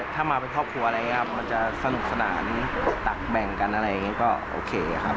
ถ้ามาเป็นครอบครัวอะไรอย่างนี้ครับมันจะสนุกสนานตกตักแบ่งกันอะไรอย่างนี้ก็โอเคครับ